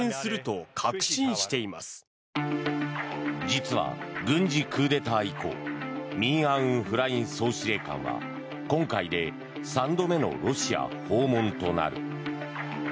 実は軍事クーデター以降ミン・アウン・フライン総司令官は今回で３度目のロシア訪問となる。